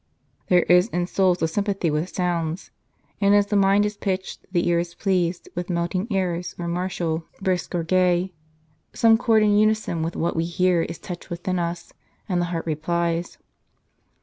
"There is in souls a sympathy with sounds ; And as the mind is pitched, the ear is pleased With melting airs or martial, brisk or gay. Some chord in unison with what we hear Is touched within us, and the heart replies."